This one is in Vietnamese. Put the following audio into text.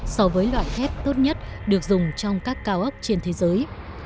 so với loại thép tốt nhất được dùng trong các cao ốc trên thế giới